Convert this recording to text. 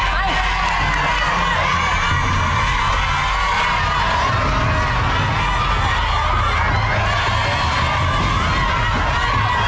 ออกเร็ว